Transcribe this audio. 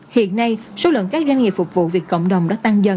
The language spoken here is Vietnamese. hiện nay số lượng các doanh nghiệp phục vụ việc cộng đồng đã tăng dần